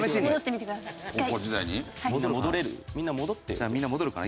じゃあみんな戻るかな？